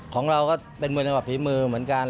ของเราก็เป็นมวยฉบับฝีมือเหมือนกัน